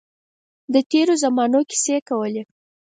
د تېرو زمانو کیسې کولې.